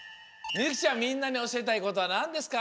みんなにおしえたいことはなんですか？